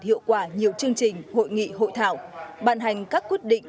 hiệu quả nhiều chương trình hội nghị hội thảo bàn hành các quyết định